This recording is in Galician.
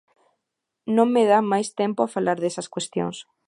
Non me dá máis tempo a falar desas cuestións.